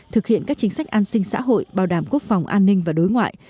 thực hiện các chính sách an sinh xã hội bảo đảm quốc phòng an ninh và đối ngoại